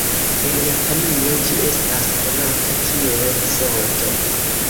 En Japanio, ĝi estas konata kiel Soto.